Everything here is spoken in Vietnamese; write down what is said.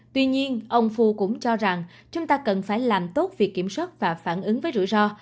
tuy nhiên ông fu cũng cho rằng chúng ta cần phải làm tốt việc kiểm soát và phản ứng với rủi ro